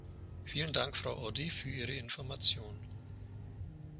Vielen Dank, Frau Oddy, für Ihre Information.